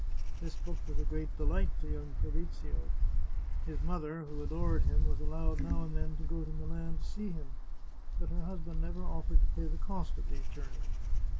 This book was a great delight to young Fabrizio. His mother, who adored him, was allowed now and then to go to Milan to see him, but her husband never offered to pay the cost of these journeys.